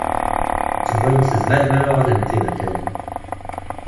Ttewwayent tezwal mi ara uɣalent d tiberkanin.